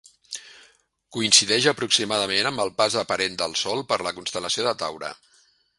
Coincideix aproximadament amb el pas aparent del Sol per la constel·lació de Taure.